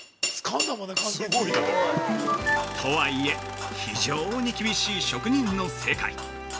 ◆とはいえ、非常に厳しい職人の世界。